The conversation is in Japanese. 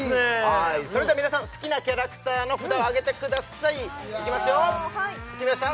それでは皆さん好きなキャラクターの札をあげてくださいいきますよ決めました？